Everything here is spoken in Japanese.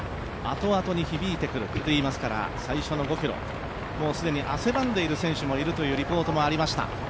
後々に響いてくるといいますから最初の５ｋｍ、もう既に汗ばんでいる選手もいるというリポートもありました。